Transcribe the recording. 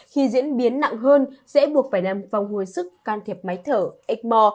khi diễn biến nặng hơn sẽ buộc phải nằm vòng hồi sức can thiệp máy thở ếch mò